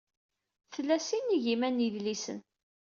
Tla sin n yigiman n yedlisen.